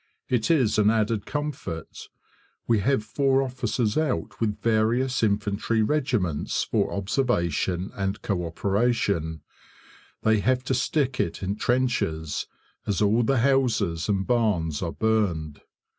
It is an added comfort. We have four officers out with various infantry regiments for observation and co operation; they have to stick it in trenches, as all the houses and barns are burned.